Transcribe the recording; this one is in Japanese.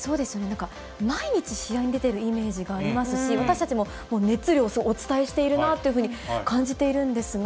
なんか毎日試合に出ているイメージがありますし、私たちも熱量、お伝えしているなというふうに感じているんですが。